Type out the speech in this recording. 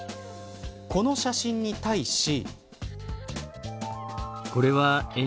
この写真に対し。